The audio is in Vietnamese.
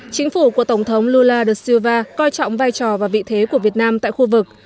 chính phủ của tổng thống lula da silva coi trọng vai trò và vị thế của việt nam tại khu vực